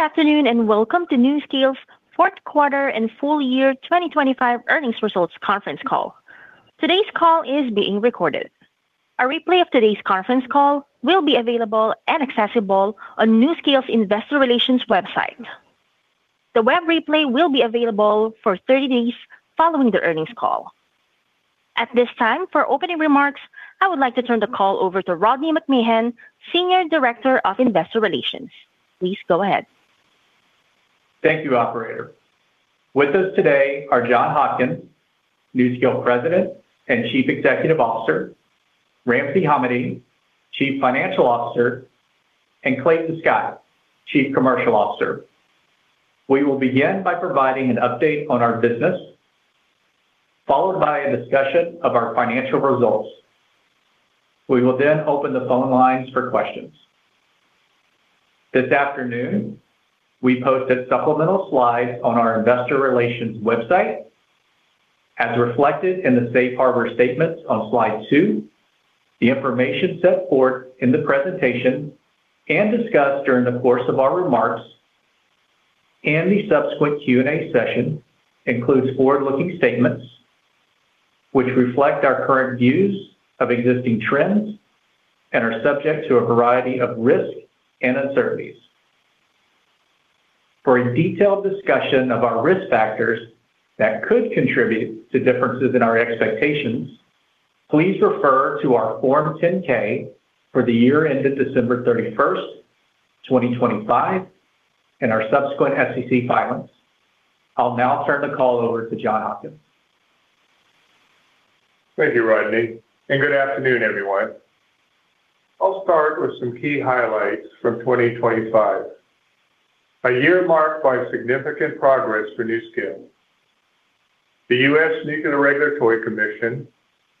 Good afternoon, and welcome to NuScale's Q4 and full year 2025 Earnings Results Conference Call. Today's call is being recorded. A replay of today's conference call will be available and accessible on NuScale's investor relations website. The web replay will be available for 30 days following the earnings call. At this time, for opening remarks, I would like to turn the call over to Rodney McMahan, Senior Director of Investor Relations. Please go ahead. Thank you, operator. With us today are John Hopkins, NuScale President and Chief Executive Officer, Ramsey Hamady, Chief Financial Officer, and Clayton Scott, Chief Commercial Officer. We will begin by providing an update on our business, followed by a discussion of our financial results. We will open the phone lines for questions. This afternoon, we posted supplemental slides on our investor relations website as reflected in the Safe Harbor statements on Slide 2. The information set forth in the presentation and discussed during the course of our remarks and the subsequent Q&A session includes forward-looking statements which reflect our current views of existing trends and are subject to a variety of risks and uncertainties. For a detailed discussion of our risk factors that could contribute to differences in our expectations, please refer to our Form 10-K for the year ended December 31st, 2025, and our subsequent SEC filings. I'll now turn the call over to John Hopkins. Thank you, Rodney. Good afternoon, everyone. I'll start with some key highlights from 2025, a year marked by significant progress for NuScale. The U.S. Nuclear Regulatory Commission,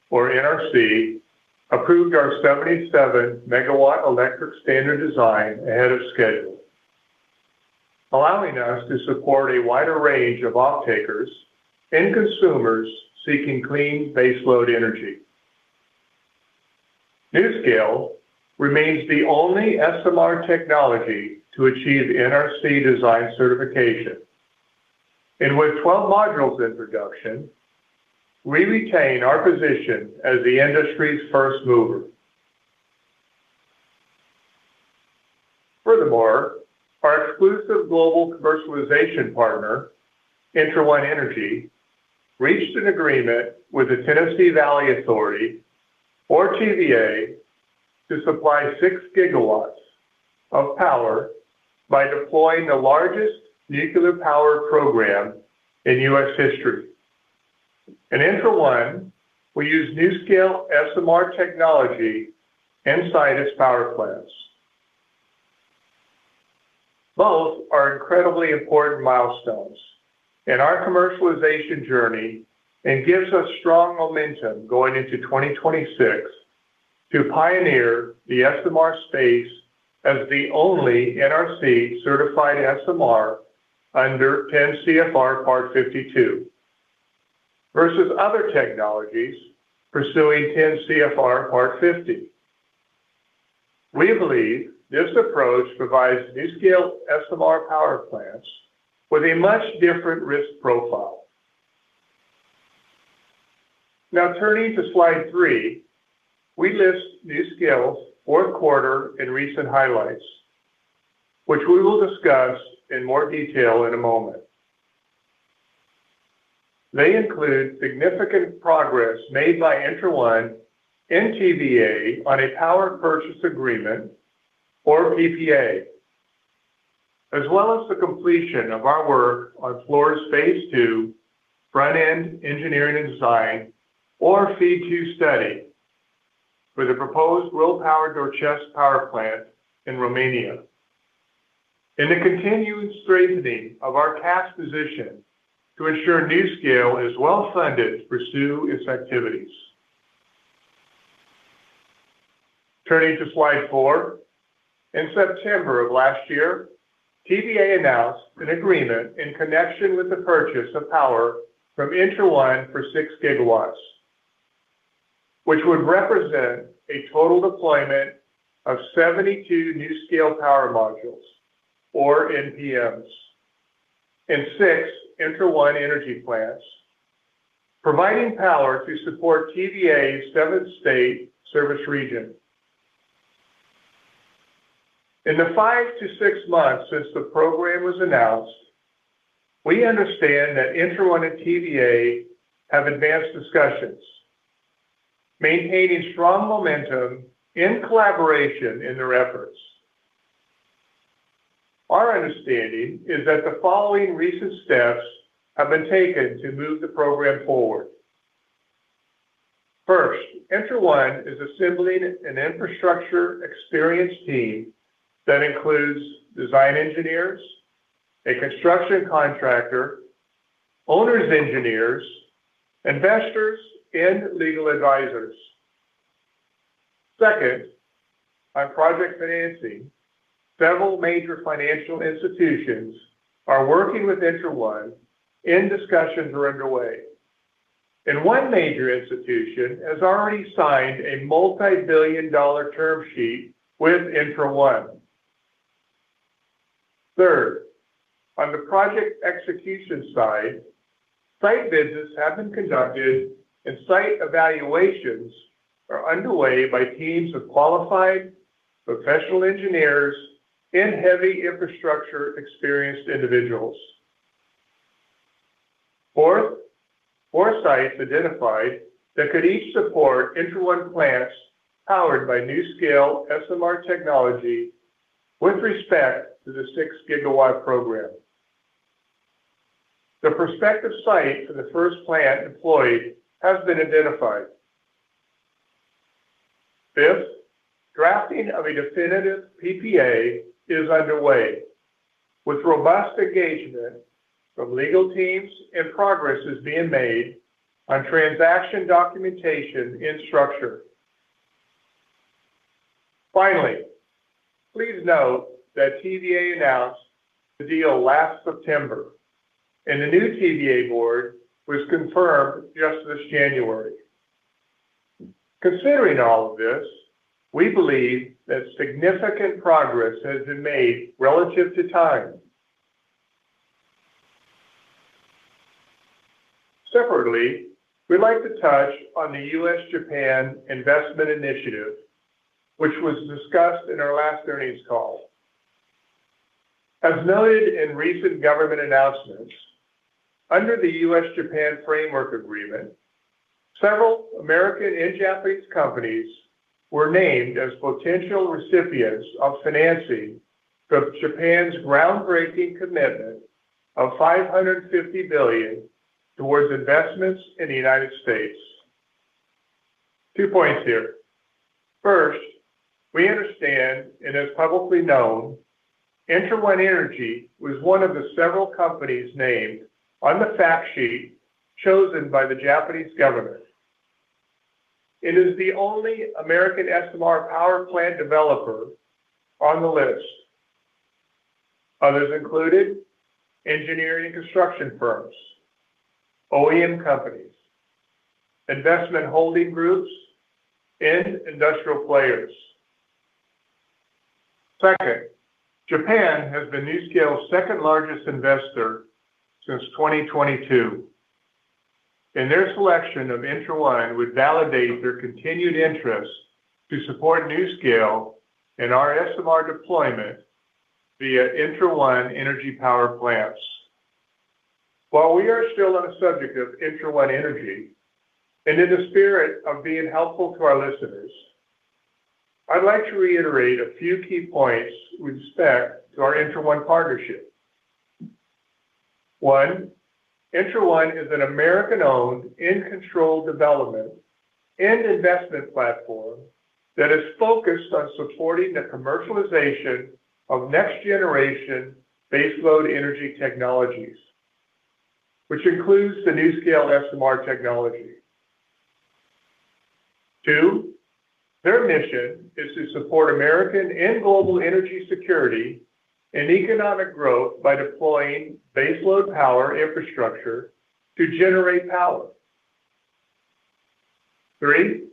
or NRC, approved our 77 MW electric standard design ahead of schedule, allowing us to support a wider range of offtakers and consumers seeking clean baseload energy. NuScale remains the only SMR technology to achieve NRC Design Certification. With 12 modules in production, we retain our position as the industry's first mover. Furthermore, our exclusive global commercialization partner, ENTRA1 Energy, reached an agreement with the Tennessee Valley Authority, or TVA, to supply 6 GW of power by deploying the largest nuclear power program in U.S. history. In ENTRA1, we use NuScale SMR technology inside its power plants. Both are incredibly important milestones in our commercialization journey and gives us strong momentum going into 2026 to pioneer the SMR space as the only NRC-certified SMR under 10 CFR Part 52 versus other technologies pursuing 10 CFR Part 50. We believe this approach provides NuScale SMR power plants with a much different risk profile. Turning to Slide 3, we list NuScale's Q4 and recent highlights, which we will discuss in more detail in a moment. They include significant progress made by ENTRA1 and TVA on a power purchase agreement or PPA. The completion of our work on Fluor's Phase 2, front-end engineering and design or FEED 2 study for the proposed RoPower Doicești power plant in Romania. The continued strengthening of our cash position to ensure NuScale is well-funded to pursue its activities. Turning to Slide 4. In September of last year, TVA announced an agreement in connection with the purchase of power from ENTRA1 for 6 gigawatts, which would represent a total deployment of 72 NuScale Power Modules or NPMs in 6 ENTRA1 Energy plants, providing power to support TVA's 7-state service region. In the 5 to 6 months since the program was announced, we understand that ENTRA1 and TVA have advanced discussions, maintaining strong momentum and collaboration in their efforts. Our understanding is that the following recent steps have been taken to move the program forward. First, ENTRA1 is assembling an infrastructure experienced team that includes design engineers, a construction contractor, owner's engineers, investors, and legal advisors. Second, on project financing, several major financial institutions are working with ENTRA1 and discussions are underway. One major institution has already signed a $multi-billion term sheet with ENTRA1. Third, on the project execution side, site visits have been conducted and site evaluations are underway by teams of qualified professional engineers and heavy infrastructure experienced individuals. Fourth, 4 sites identified that could each support ENTRA1 plants powered by NuScale SMR technology with respect to the 6 gigawatt program. The prospective site for the first plant deployed has been identified. Fifth, drafting of a definitive PPA is underway with robust engagement from legal teams and progress is being made on transaction documentation and structure. Finally, please note that TVA announced the deal last September and the new TVA board was confirmed just this January. Considering all of this, we believe that significant progress has been made relative to timing. Separately, we'd like to touch on the U.S.-Japan investment initiative which was discussed in our last earnings call. As noted in recent government announcements, under the U.S.-Japan Framework Agreement, several American and Japanese companies were named as potential recipients of financing from Japan's groundbreaking commitment of $550 billion towards investments in the United States. Two points here. First, we understand, and as publicly known, ENTRA1 Energy was one of the several companies named on the fact sheet chosen by the Japanese government. It is the only American SMR power plant developer on the list. Others included engineering and construction firms, OEM companies, investment holding groups, and industrial players. Second, Japan has been NuScale's second-largest investor since 2022. Their selection of ENTRA1 would validate their continued interest to support NuScale and our SMR deployment via ENTRA1 Energy power plants. While we are still on the subject of ENTRA1 Energy, and in the spirit of being helpful to our listeners, I'd like to reiterate a few key points with respect to our ENTRA1 partnership. One, ENTRA1 is an American-owned, in-control development and investment platform that is focused on supporting the commercialization of next-generation baseload energy technologies, which includes the NuScale SMR technology. Two, their mission is to support American and global energy security and economic growth by deploying baseload power infrastructure to generate power. Three,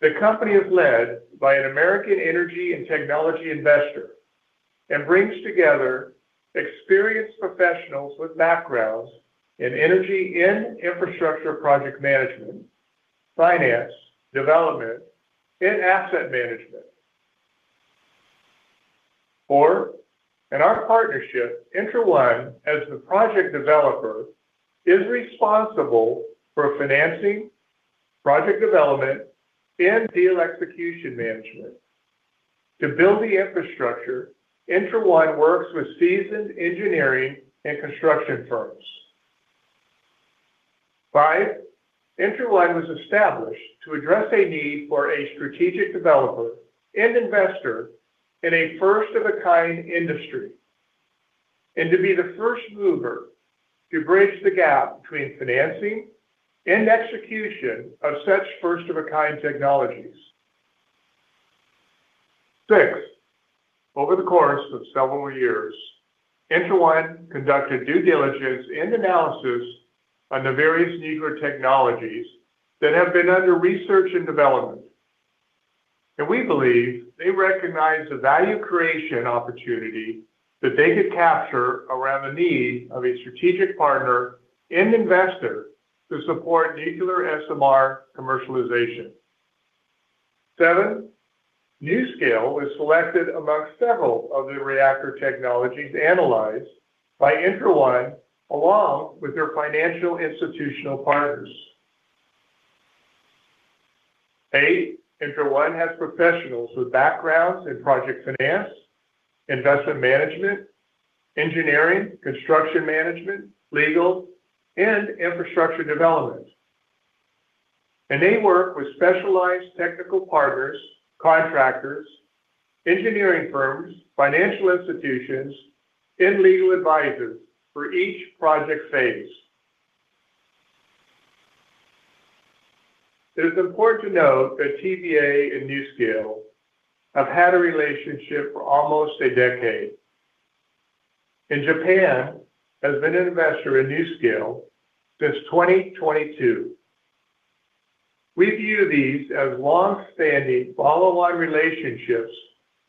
the company is led by an American energy and technology investor and brings together experienced professionals with backgrounds in energy and infrastructure project management, finance, development, and asset management. Four, in our partnership, ENTRA1 as the project developer is responsible for financing, project development, and deal execution management. To build the infrastructure, ENTRA1 works with seasoned engineering and construction firms. Five, ENTRA1 was established to address a need for a strategic developer and investor in a first-of-a-kind industry, and to be the first mover to bridge the gap between financing and execution of such first-of-a-kind technologies. Six, over the course of several years, ENTRA1 conducted due diligence and analysis on the various nuclear technologies that have been under research and development, and we believe they recognize the value creation opportunity that they could capture around the need of a strategic partner and investor to support nuclear SMR commercialization. Seven, NuScale was selected amongst several of the reactor technologies analyzed by ENTRA1 along with their financial institutional partners. Eight, ENTRA1 has professionals with backgrounds in project finance, investment management, engineering, construction management, legal, and infrastructure development, and they work with specialized technical partners, contractors, engineering firms, financial institutions, and legal advisors for each project phase. It is important to note that TVA and NuScale have had a relationship for almost a decade. Japan has been an investor in NuScale since 2022. We view these as long-standing follow-on relationships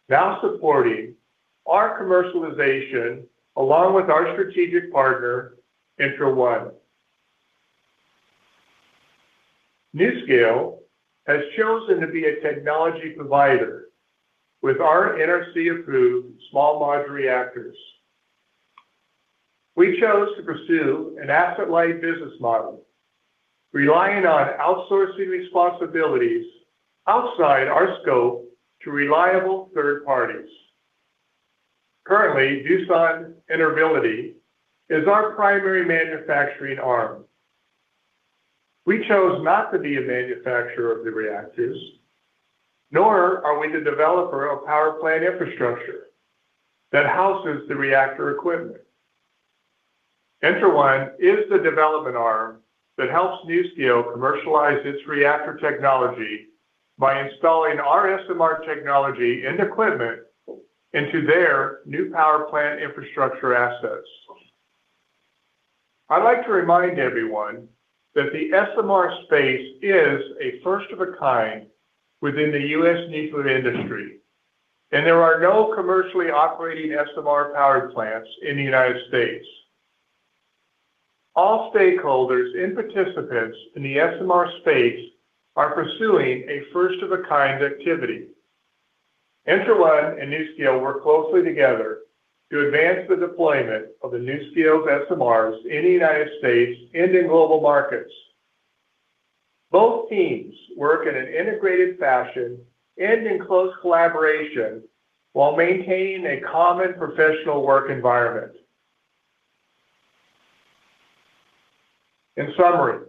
now supporting our commercialization along with our strategic partner, ENTRA1. NuScale has chosen to be a technology provider with our NRC-approved small modular reactors. We chose to pursue an asset-light business model relying on outsourcing responsibilities outside our scope to reliable third parties. Currently, Doosan Enerbility is our primary manufacturing arm. We chose not to be a manufacturer of the reactors, nor are we the developer of power plant infrastructure that houses the reactor equipment. ENTRA1 is the development arm that helps NuScale commercialize its reactor technology by installing our SMR technology and equipment into their new power plant infrastructure assets. I'd like to remind everyone that the SMR space is a first-of-a-kind within the U.S. nuclear industry, and there are no commercially operating SMR power plants in the United States. All stakeholders and participants in the SMR space are pursuing a first-of-a-kind activity. ENTRA1 and NuScale work closely together to advance the deployment of the NuScale SMRs in the United States and in global markets. Both teams work in an integrated fashion and in close collaboration while maintaining a common professional work environment. In summary,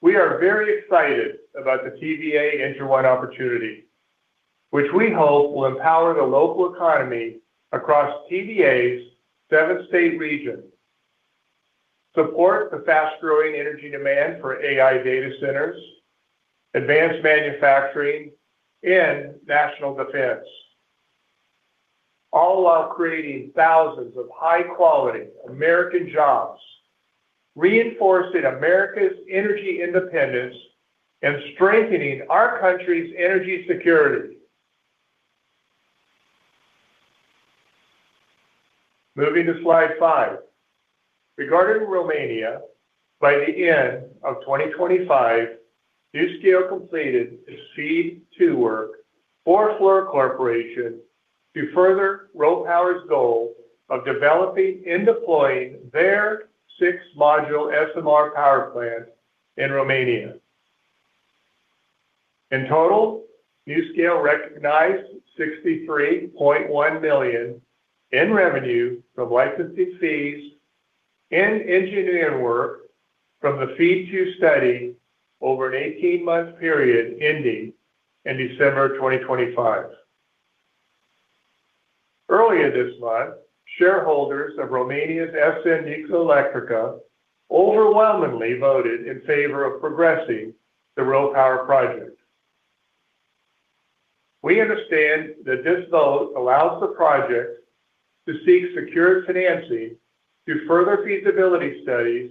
we are very excited about the TVA ENTRA1 opportunity, which we hope will empower the local economy across TVA's seven-state region, support the fast-growing energy demand for AI data centers, advanced manufacturing, and national defense, all while creating thousands of high-quality American jobs, reinforcing America's energy independence, and strengthening our country's energy security. Moving to Slide 5. Regarding Romania, by the end of 2025, NuScale completed its FEED 2 work for Fluor Corporation to further RoPower's goal of developing and deploying their six-module SMR power plant in Romania. In total, NuScale recognized $63.1 million in revenue from licensing fees and engineering work from the FEED 2 study over an 18-month period ending in December 2025. Earlier this month, shareholders of Romanian S.N. Nuclearelectrica overwhelmingly voted in favor of progressing the RoPower project. We understand that this vote allows the project to seek secured financing to further feasibility studies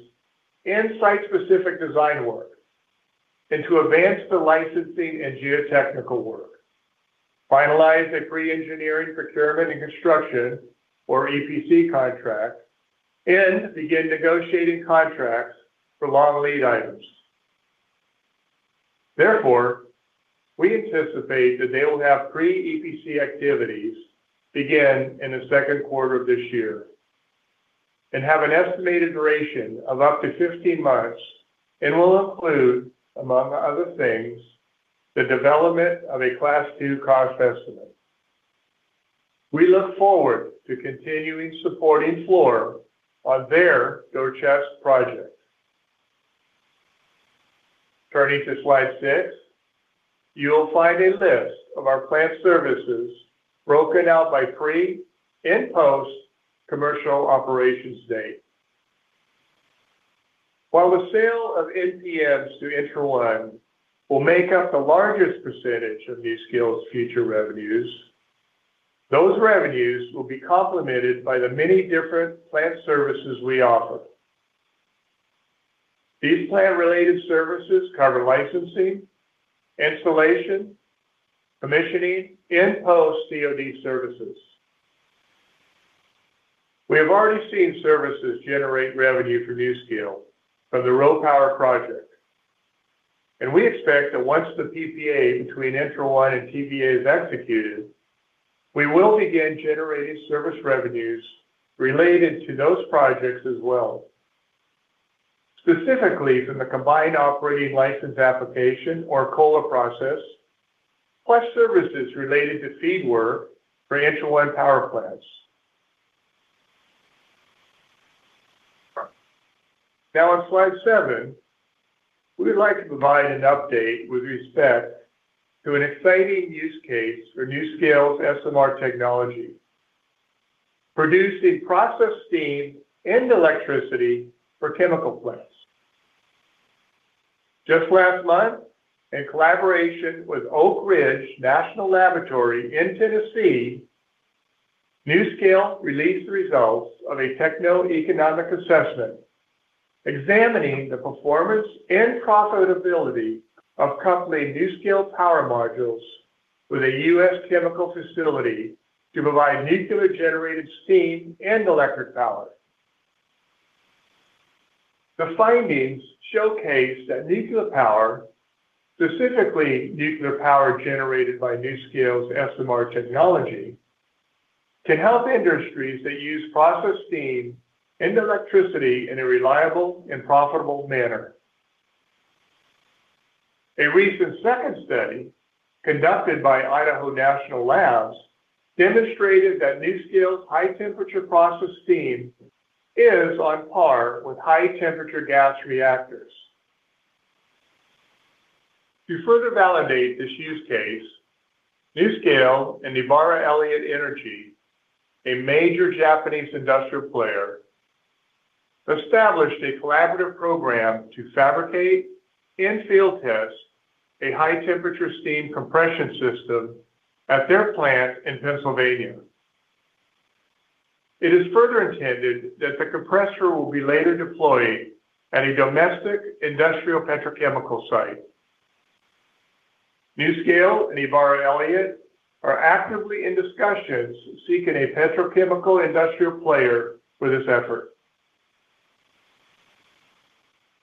and site-specific design work, and to advance the licensing and geotechnical work, finalize a pre-engineering procurement and construction or EPC contract, and begin negotiating contracts for long lead items. Therefore, we anticipate that they will have pre-EPC activities begin in the Q2 of this year and have an estimated duration of up to 15 months and will include, among other things, the development of a Class 2 cost estimate. We look forward to continuing supporting Fluor on their Doicești project. Turning to Slide 6, you'll find a list of our plant services broken out by pre- and post-commercial operations date. While the sale of NPMs to ENTRA1 will make up the largest percentage of NuScale's future revenues, those revenues will be complemented by the many different plant services we offer. These plant-related services cover licensing, installation, commissioning, and post-COD services. We have already seen services generate revenue for NuScale from the RoPower project, and we expect that once the PPA between ENTRA1 and TVA is executed, we will begin generating service revenues related to those projects as well. Specifically, from the combined operating license application or COLA process, plus services related to FEED work for ENTRA1 power plants. On Slide 7, we'd like to provide an update with respect to an exciting use case for NuScale's SMR technology, producing process steam and electricity for chemical plants. Just last month, in collaboration with Oak Ridge National Laboratory in Tennessee, NuScale released the results of a techno-economic assessment examining the performance and profitability of coupling NuScale Power Modules with a U.S. chemical facility to provide nuclear-generated steam and electric power. The findings showcase that nuclear power, specifically nuclear power generated by NuScale's SMR technology, can help industries that use process steam and electricity in a reliable and profitable manner. A recent second study conducted by Idaho National Laboratory demonstrated that NuScale's high-temperature process steam is on par with high-temperature gas reactors. To further validate this use case, NuScale and Ebara Elliott Energy, a major Japanese industrial player, established a collaborative program to fabricate and field test a high-temperature steam compression system at their plant in Pennsylvania. It is further intended that the compressor will be later deployed at a domestic industrial petrochemical site. NuScale and Ebara Elliott are actively in discussions seeking a petrochemical industrial player for this effort.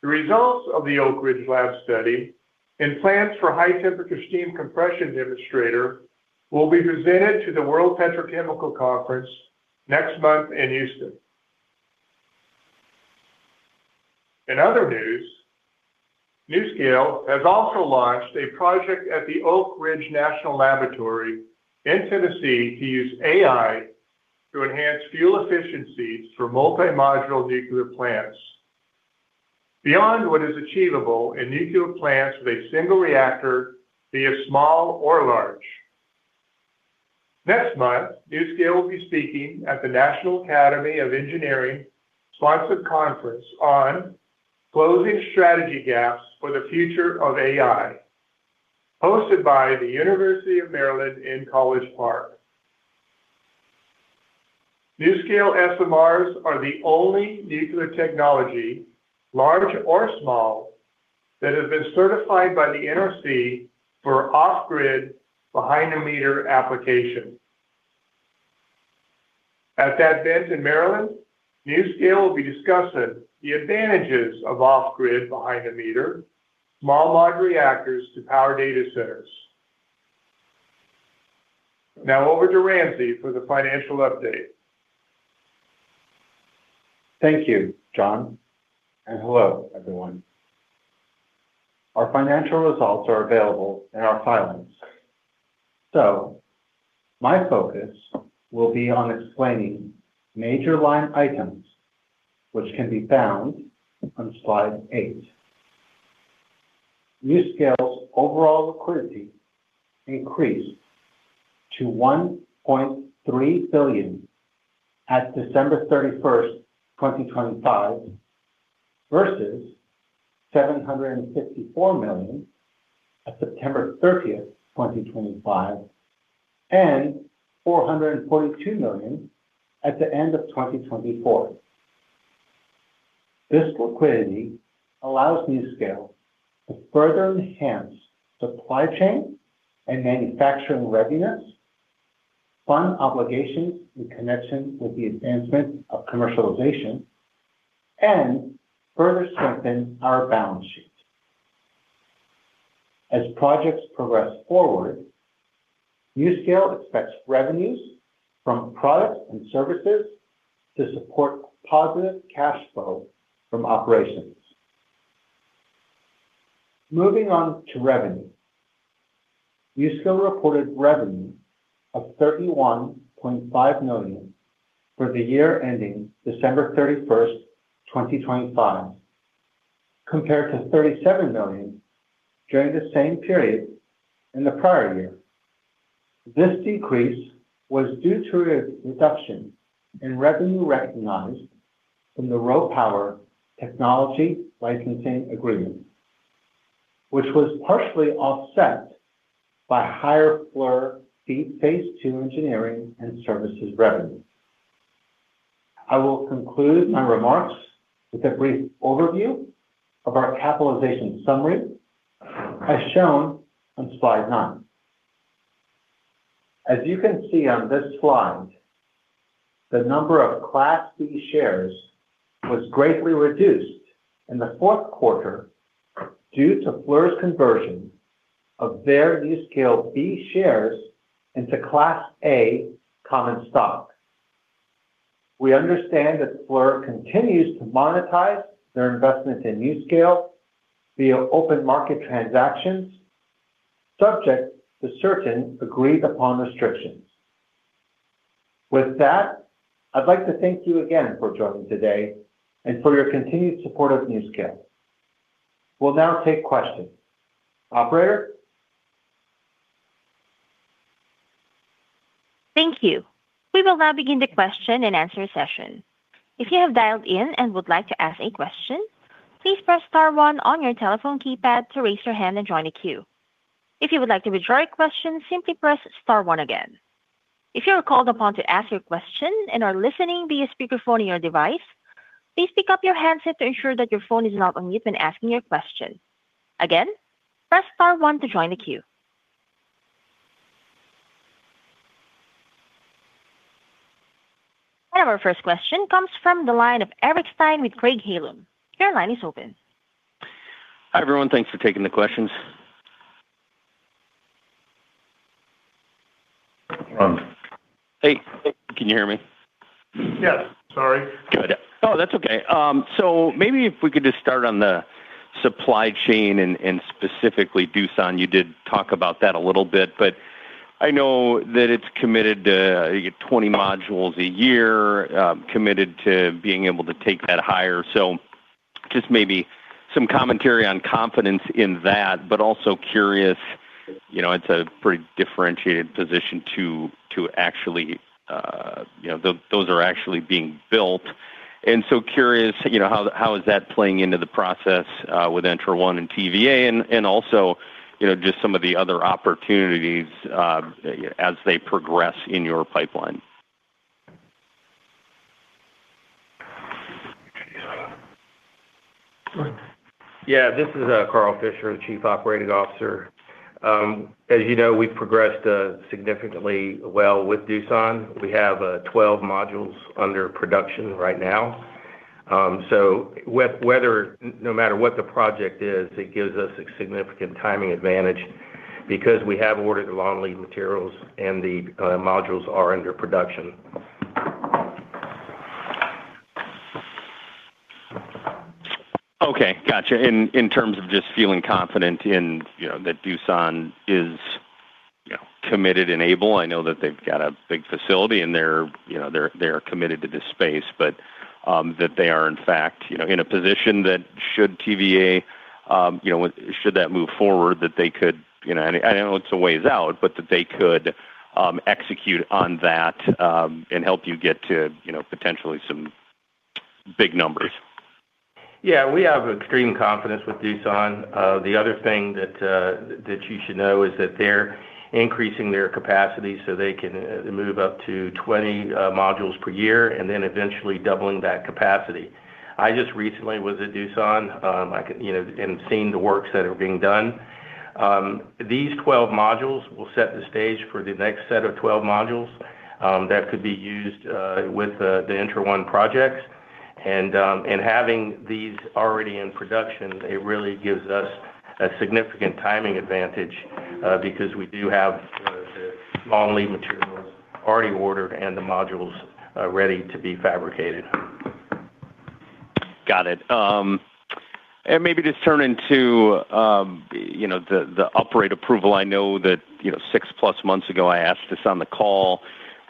The results of the Oak Ridge National Laboratory study and plans for high-temperature steam compression demonstrator will be presented to the World Petrochemical Conference next month in Houston. In other news, NuScale has also launched a project at the Oak Ridge National Laboratory in Tennessee to use AI to enhance fuel efficiency for multi-modular nuclear plants beyond what is achievable in nuclear plants with a single reactor, be it small or large. Next month, NuScale will be speaking at the National Academy of Engineering-sponsored conference on Closing Strategy Gaps for the Future of AI, hosted by the University of Maryland in College Park. NuScale SMRs are the only nuclear technology, large or small, that have been certified by the NRC for off-grid behind-the-meter application. At that event in Maryland, NuScale will be discussing the advantages of off-grid behind-the-meter small modular reactors to power data centers. Over to Ramsey for the financial update. Thank you, John, and hello, everyone. Our financial results are available in our filings. My focus will be on explaining major line items which can be found on Slide 8. NuScale's overall liquidity increased to $1.3 billion at December 31, 2025 versus $754 million at September 30, 2025 and $442 million at the end of 2024. This liquidity allows NuScale to further enhance supply chain and manufacturing readiness, fund obligations in connection with the advancement of commercialization, and further strengthen our balance sheet. As projects progress forward, NuScale expects revenues from products and services to support positive cash flow from operations. Moving on to revenue. NuScale reported revenue of $31.5 million for the year ending December 31, 2025, compared to $37 million during the same period in the prior year. This decrease was due to a reduction in revenue recognized from the RoPower technology licensing agreement, which was partially offset by higher Fluor Phase 2 engineering and services revenue. I will conclude my remarks with a brief overview of our capitalization summary as shown on Slide 9. As you can see on this slide, the number of Class B shares was greatly reduced in the Q4 due to Fluor's conversion of their NuScale B shares into Class A common stock. We understand that Fluor continues to monetize their investment in NuScale via open market transactions, subject to certain agreed-upon restrictions. I'd like to thank you again for joining today and for your continued support of NuScale. We'll now take questions. Operator Thank you. We will now begin the question and answer session. If you have dialed in and would like to ask a question, please press star one on your telephone keypad to raise your hand and join the queue. If you would like to withdraw your question, simply press star one again. If you are called upon to ask your question and are listening via speakerphone in your device, please pick up your handset to ensure that your phone is not on mute when asking your question. Again, press star one to join the queue. Our first question comes from the line of Eric Stine with Craig-Hallum. Your line is open. Hi, everyone. Thanks for taking the questions. Hey, can you hear me? Yes. Sorry. Good. Oh, that's okay. Maybe if we could just start on the supply chain and specifically Doosan. You did talk about that a little bit, but I know that it's committed to 20 modules a year, committed to being able to take that higher. Just maybe some commentary on confidence in that, but also curious, you know, it's a pretty differentiated position to actually, you know, those are actually being built. Curious, you know, how is that playing into the process, with ENTRA1 and TVA and also, you know, just some of the other opportunities, as they progress in your pipeline. This is Carl Fisher, the Chief Operating Officer. As you know, we've progressed significantly well with Doosan. We have 12 modules under production right now. No matter what the project is, it gives us a significant timing advantage because we have ordered the long lead materials and the modules are under production. Okay. Gotcha. In terms of just feeling confident in, you know, that Doosan is, you know, committed and able. I know that they've got a big facility and they are committed to this space, but that they are, in fact, you know, in a position that should TVA, you know, should that move forward, that they could, you know... I know it's a ways out, but that they could execute on that and help you get to, you know, potentially some big numbers. Yeah, we have extreme confidence with Doosan. The other thing that you should know is that they're increasing their capacity so they can move up to 20 modules per year and then eventually doubling that capacity. I just recently was at Doosan, like, you know, and seeing the works that are being done. These 12 modules will set the stage for the next set of 12 modules that could be used with the ENTRA1 projects. Having these already in production, it really gives us a significant timing advantage because we do have the long lead materials already ordered and the modules ready to be fabricated. Got it. Maybe just turning to, you know, the up-rate approval. I know that, you know, 6-plus months ago, I asked this on the call,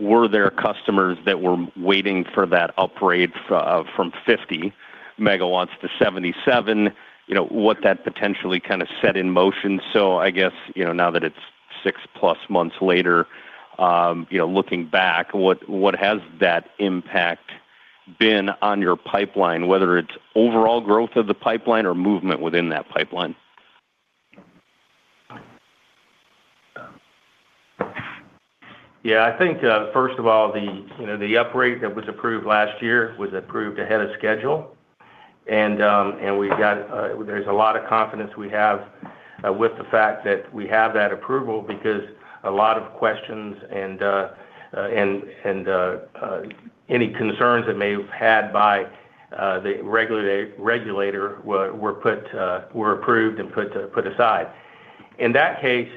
were there customers that were waiting for that upgrade from 50 megawatts to 77? You know, what that potentially kind of set in motion. I guess, you know, now that it's 6-plus months later, you know, looking back, what has that impact been on your pipeline, whether it's overall growth of the pipeline or movement within that pipeline? I think, you know, the upgrade that was approved last year was approved ahead of schedule. We've got there's a lot of confidence we have with the fact that we have that approval because a lot of questions and any concerns that may have had by the regulator were approved and put aside. In that case,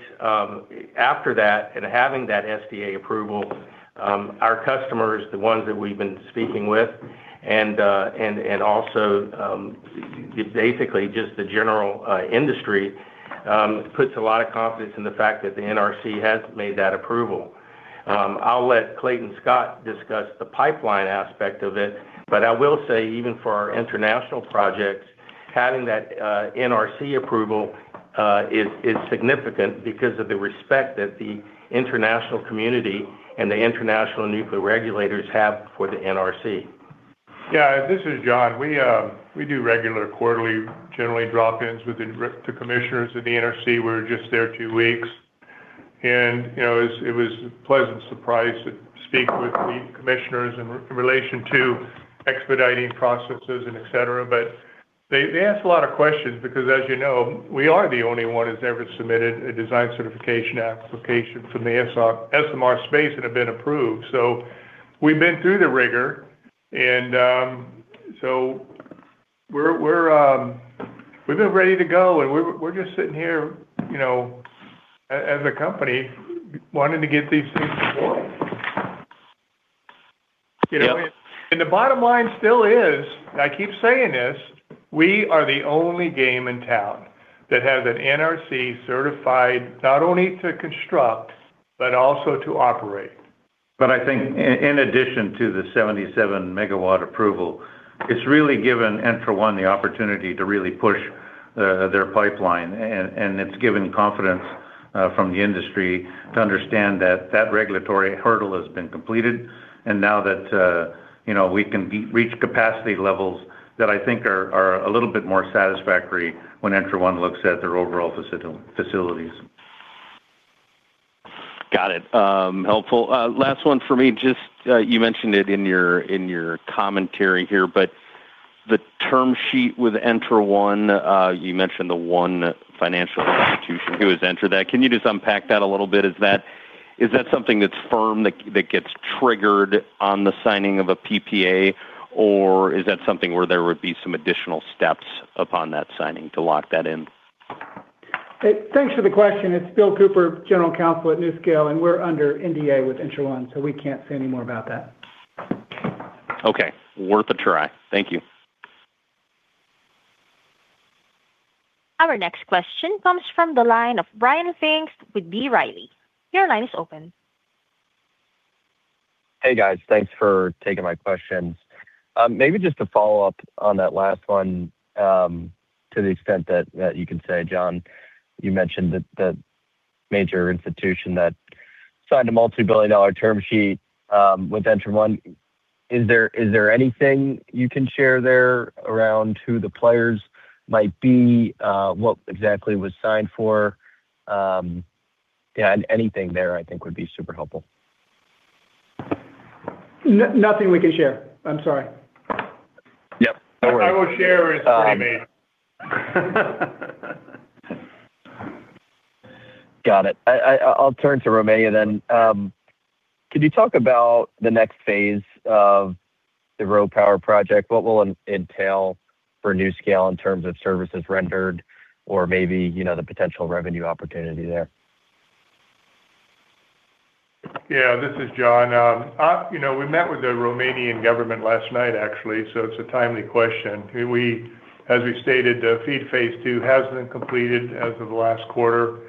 after that and having that SDA approval, our customers, the ones that we've been speaking with and also basically just the general industry, puts a lot of confidence in the fact that the NRC has made that approval. I'll let Clayton Scott discuss the pipeline aspect of it, but I will say even for our international projects, having that NRC approval is significant because of the respect that the international community and the international nuclear regulators have for the NRC. Yeah. This is John. We do regular quarterly, generally drop-ins with the commissioners of the NRC. We were just there 2 weeks. You know, it was a pleasant surprise to speak with the commissioners in relation to expediting processes and et cetera. They asked a lot of questions because as you know, we are the only one who's ever submitted a Design Certification Application from the SMR space and have been approved. We've been through the rigor and, so we're, we've been ready to go, and we're just sitting here, you know, as a company wanting to get these things deployed. Yep. The bottom line still is, and I keep saying this, we are the only game in town that has an NRC certified not only to construct, but also to operate. I think in addition to the 77 megawatt approval, it's really given ENTRA1 the opportunity to really push Their pipeline and it's given confidence from the industry to understand that that regulatory hurdle has been completed and now that, you know, we can reach capacity levels that I think are a little bit more satisfactory when ENTRA1 looks at their overall facilities. Got it. helpful. Last one for me. Just you mentioned it in your commentary here, but the term sheet with ENTRA1, you mentioned the one financial institution who has entered that. Can you just unpack that a little bit? Is that something that's firm that gets triggered on the signing of a PPA or is that something where there would be some additional steps upon that signing to lock that in? Thanks for the question. It's Bill Cooper, General Counsel at NuScale, and we're under NDA with ENTRA1, so we can't say any more about that. Okay. Worth a try. Thank you. Our next question comes from the line of Ryan Pfingst with B. Riley. Your line is open. Hey, guys. Thanks for taking my questions. Maybe just to follow up on that last one, to the extent that you can say, John, you mentioned that the major institution that signed a multi-billion dollar term sheet, with ENTRA1. Is there anything you can share there around who the players might be, what exactly was signed for? Yeah, anything there I think would be super helpful. Nothing we can share. I'm sorry. Yep. No worries. I will share is pretty amazing. Got it. I'll turn to Romania then. Could you talk about the next phase of the RoPower project? What will entail for NuScale in terms of services rendered or maybe, you know, the potential revenue opportunity there? Yeah. This is John. You know, we met with the Romanian government last night, actually, it's a timely question. As we stated, the FEED Phase 2 has been completed as of the last quarter.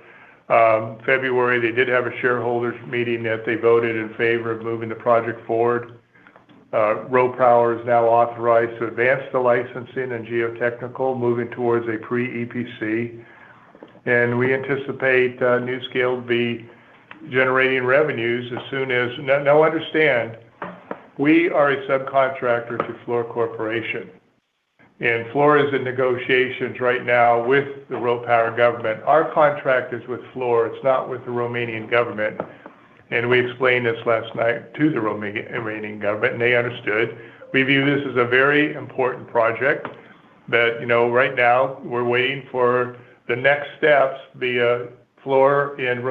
February, they did have a shareholders meeting that they voted in favor of moving the project forward. RoPower is now authorized to advance the licensing and geotechnical, moving towards a pre-EPC. We anticipate NuScale be generating revenues as soon as... Now understand, we are a subcontractor to Fluor Corporation. Fluor is in negotiations right now with the RoPower government. Our contract is with Fluor, it's not with the Romanian government. We explained this last night to the Romanian government, and they understood. We view this as a very important project that, you know, right now we're waiting for the next steps via Fluor and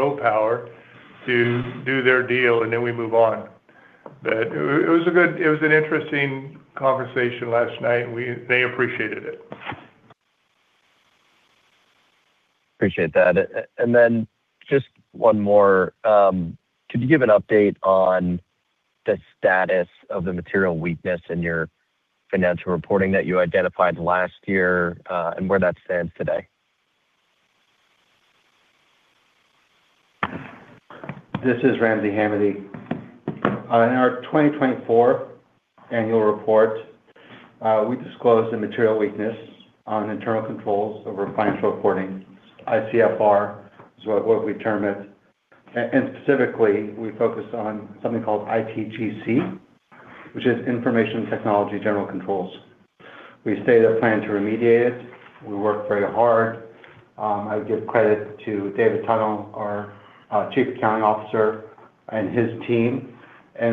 RoPower to do their deal, and then we move on. It was an interesting conversation last night. They appreciated it. Appreciate that. Then just one more. Could you give an update on the status of the material weakness in your financial reporting that you identified last year, and where that stands today? This is Ramsey Hamady. In our 2024 annual report, we disclosed a material weakness on internal controls over financial reporting. ICFR is what we term it. Specifically, we focus on something called ITGC, which is Information Technology General Controls. We stated a plan to remediate it. We worked very hard. I give credit to David Tonnel, our Chief Accounting Officer and his team.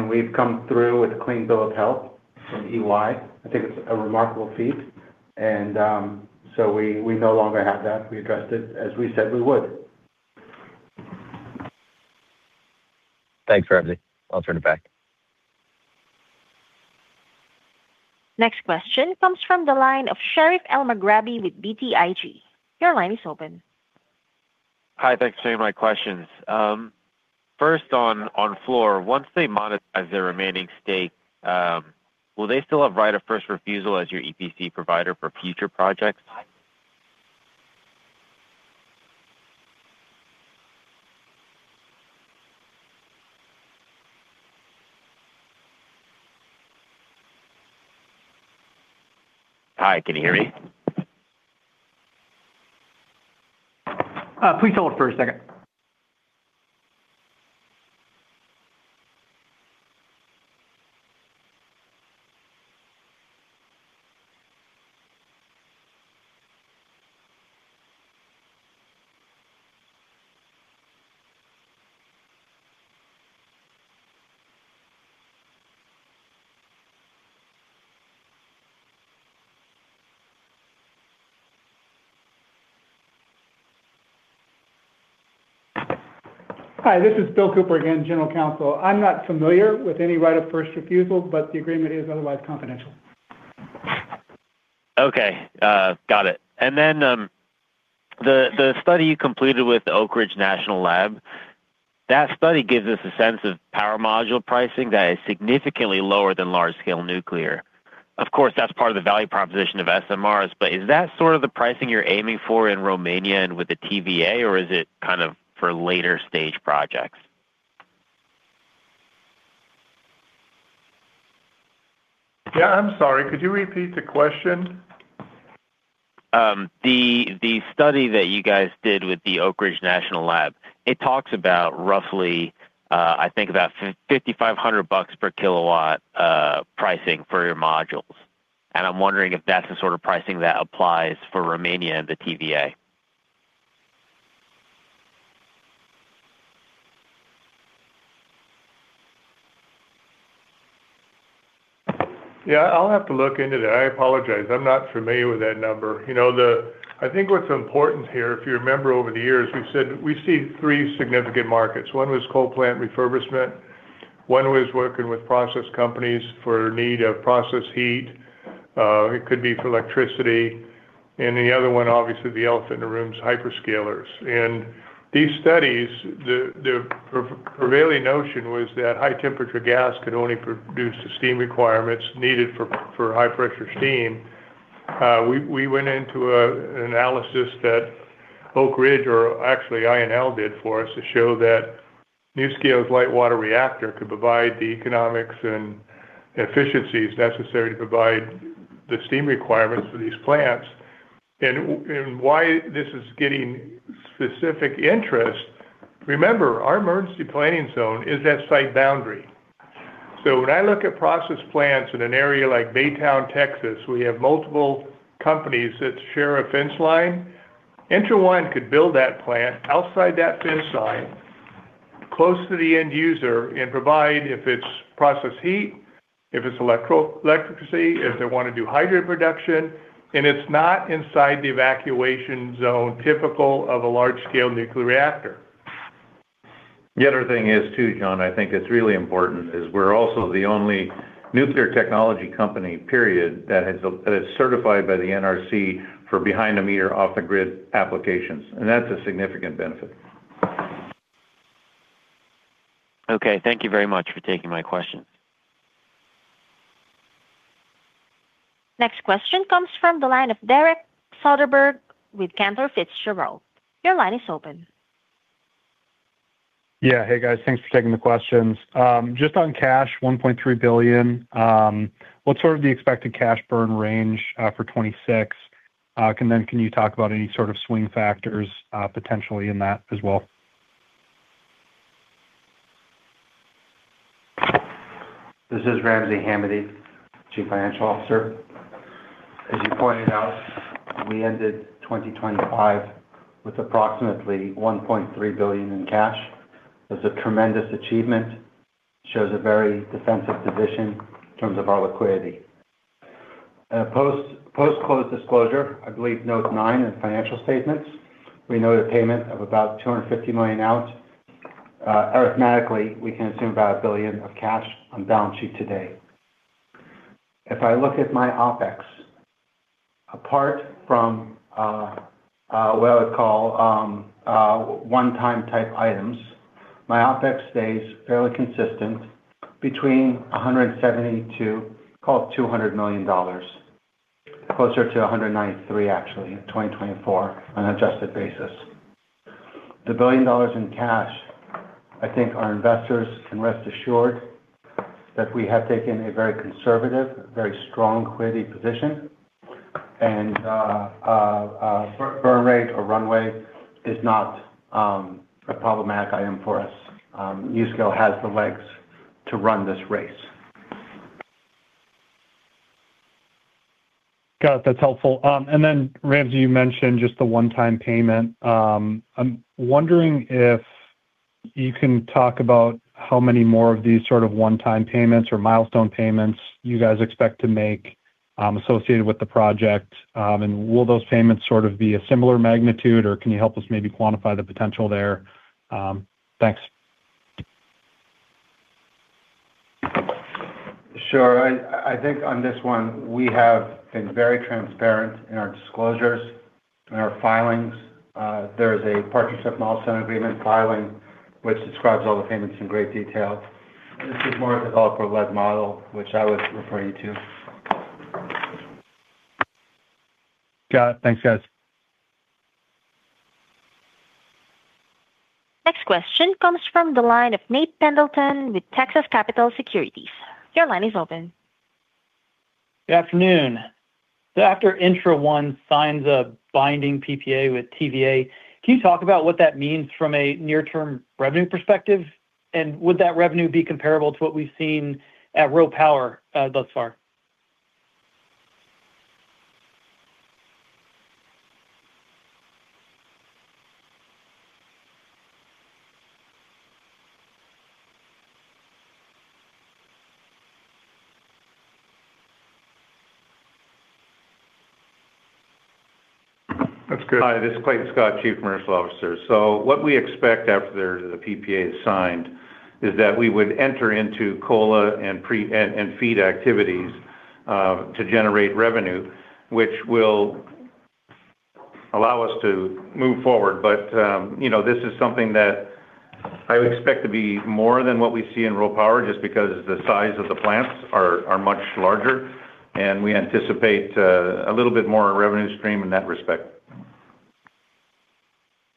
We've come through with a clean bill of health from EY. I think it's a remarkable feat. We no longer have that. We addressed it as we said we would. Thanks, Ramsey. I'll turn it back. Next question comes from the line of Sherif Elmaghrabi with BTIG. Your line is open. Hi, thanks for taking my questions. First on Fluor, once they monetize their remaining stake, will they still have right of first refusal as your EPC provider for future projects? Hi, can you hear me? Please hold for a second. Hi, this is Bill Cooper again, General Counsel. I'm not familiar with any right of first refusal, but the agreement is otherwise confidential. got it. The study you completed with the Oak Ridge National Laboratory, that study gives us a sense of power module pricing that is significantly lower than large scale nuclear. Of course, that's part of the value proposition of SMRs, but is that sort of the pricing you're aiming for in Romania and with the TVA or is it kind of for later stage projects? I'm sorry. Could you repeat the question? The study that you guys did with the Oak Ridge National Laboratory, it talks about roughly, I think about $5,500 per kilowatt pricing for your modules, and I'm wondering if that's the sort of pricing that applies for Romania and the TVA? Yeah, I'll have to look into that. I apologize. I'm not familiar with that number. You know, I think what's important here, if you remember over the years, we've said we see 3 significant markets. One was coal plant refurbishment, one was working with process companies for need of process heat, it could be for electricity, and the other one, obviously the elephant in the room, is hyperscalers. These studies, the prevailing notion was that high temperature gas could only produce the steam requirements needed for high pressure steam. We went into an analysis that Oak Ridge, or actually INL did for us, to show that NuScale's light water reactor could provide the economics and efficiencies necessary to provide the steam requirements for these plants. Why this is getting specific interest, remember, our Emergency Planning Zone is that site boundary. When I look at process plants in an area like Baytown, Texas, we have multiple companies that share a fence line. ENTRA1 could build that plant outside that fence line, close to the end user, and provide if it's process heat, if it's electro-electricity, if they wanna do hydrogen production, and it's not inside the evacuation zone typical of a large scale nuclear reactor. The other thing is too, John, I think that's really important, is we're also the only nuclear technology company, period, that is certified by the NRC for behind-the-meter, off-the-grid applications, and that's a significant benefit. Okay. Thank you very much for taking my question. Next question comes from the line of Derek Soderberg with Cantor Fitzgerald. Your line is open. Yeah. Hey, guys. Thanks for taking the questions. Just on cash, $1.3 billion, what's sort of the expected cash burn range for 2026? Can you talk about any sort of swing factors potentially in that as well? This is Ramsey Hamady, Chief Financial Officer. As you pointed out, we ended 2025 with approximately $1.3 billion in cash. That's a tremendous achievement. Shows a very defensive position in terms of our liquidity. At post close disclosure, I believe note nine in financial statements, we note a payment of about $250 million out. Arithmetically, we can assume about $1 billion of cash on balance sheet today. If I look at my OpEx, apart from what I would call one time type items, my OpEx stays fairly consistent between $172, call it $200 million. Closer to $193 actually in 2024 on an adjusted basis. The $1 billion in cash, I think our investors can rest assured that we have taken a very conservative, very strong liquidity position, and burn rate or runway is not a problematic item for us. NuScale has the legs to run this race. Got it. That's helpful. Then Ramsey, you mentioned just the one-time payment. I'm wondering if you can talk about how many more of these sort of one-time payments or milestone payments you guys expect to make, associated with the project. Will those payments sort of be a similar magnitude, or can you help us maybe quantify the potential there? Thanks. Sure. I think on this one, we have been very transparent in our disclosures, in our filings. There is a partnership milestone agreement filing which describes all the payments in great detail. This is more a developer-led model, which I was referring to. Got it. Thanks, guys. Next question comes from the line of Nate Pendleton with Texas Capital Securities. Your line is open. After ENTRA1 signs a binding PPA with TVA, can you talk about what that means from a near term revenue perspective? Would that revenue be comparable to what we've seen at RoPower thus far? That's good. Hi, this is Clayton Scott, Chief Commercial Officer. What we expect after the PPA is signed is that we would enter into COLA and FEED activities to generate revenue, which will allow us to move forward. You know, this is something that I would expect to be more than what we see in RoPower just because the size of the plants are much larger, and we anticipate a little bit more revenue stream in that respect.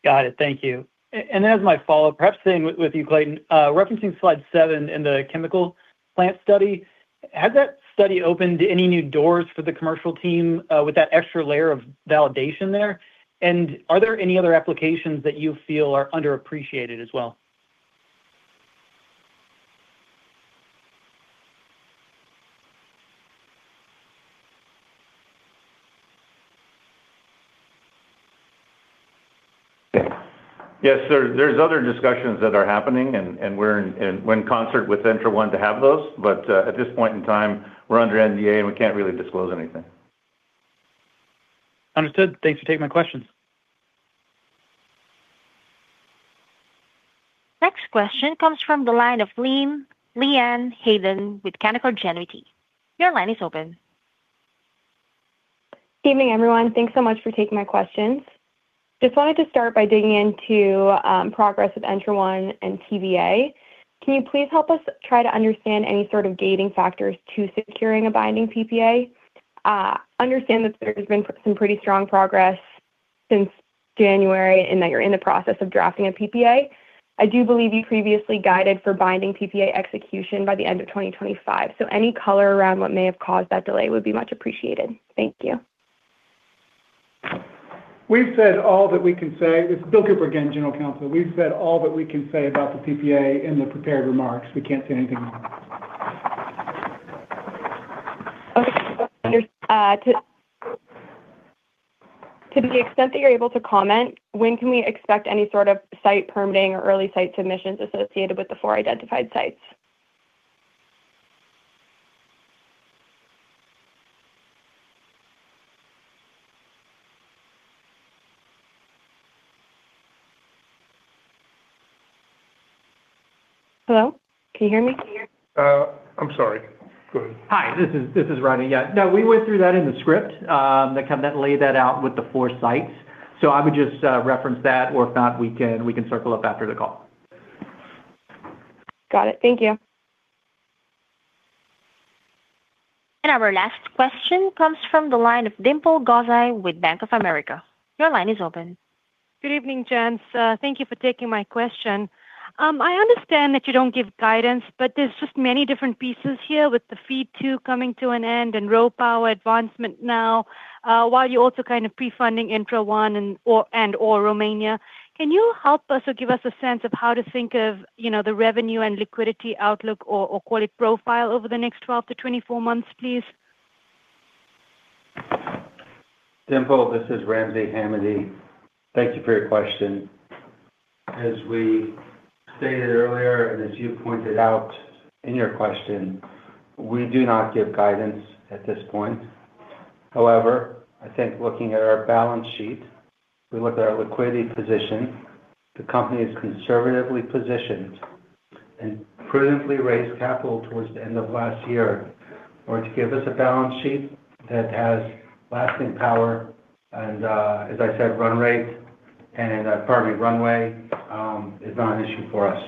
Got it. Thank you. Then as my follow-up, perhaps staying with you, Clayton, referencing Slide 7 in the chemical plant study, has that study opened any new doors for the commercial team, with that extra layer of validation there? Are there any other applications that you feel are underappreciated as well? Yes, there's other discussions that are happening and we're in concert with ENTRA1 to have those. At this point in time, we're under NDA, and we can't really disclose anything. Understood. Thanks for taking my questions. Next question comes from the line of Leanne Hayden with Canaccord Genuity. Your line is open. Evening, everyone. Thanks so much for taking my questions. Just wanted to start by digging into progress with ENTRA1 and TVA. Can you please help us try to understand any sort of gating factors to securing a binding PPA? Understand that there has been some pretty strong progress since January and that you're in the process of drafting a PPA. I do believe you previously guided for binding PPA execution by the end of 2025. Any color around what may have caused that delay would be much appreciated. Thank you. We've said all that we can say. This is Bill Cooper again, General Counsel. We've said all that we can say about the PPA in the prepared remarks. We can't say anything more. Okay. To the extent that you're able to comment, when can we expect any sort of site permitting or early site submissions associated with the four identified sites? Hello? Can you hear me? I'm sorry. Go ahead. Hi, this is Rodney. Yeah, no, we went through that in the script, that kind of laid that out with the four sites. I would just reference that, or if not, we can circle up after the call. Got it. Thank you. Our last question comes from the line of Dimple Gosai with Bank of America. Your line is open. Good evening, gents. thank you for taking my question. I understand that you don't give guidance, but there's just many different pieces here with the FEED 2 coming to an end and RoPower advancement now, while you're also kind of pre-funding ENTRA1 and/or Romania. Can you help us or give us a sense of how to think of, you know, the revenue and liquidity outlook or call it profile over the next 12 to 24 months, please? Dimple, this is Ramsey Hamady. Thank you for your question. As we stated earlier, and as you pointed out in your question, we do not give guidance at this point. However, I think looking at our balance sheet, we look at our liquidity position, the company is conservatively positioned and prudently raised capital towards the end of last year in order to give us a balance sheet that has lasting power and, as I said, run rate and pardon me, runway, is not an issue for us.